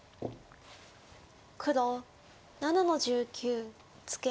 黒７の十九ツケ。